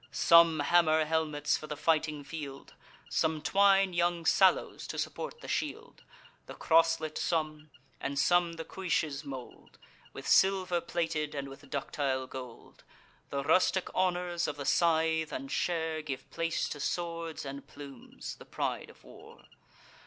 Some hammer helmets for the fighting field; Some twine young sallows to support the shield; The croslet some, and some the cuishes mould, With silver plated, and with ductile gold. The rustic honours of the scythe and share Give place to swords and plumes, the pride of war.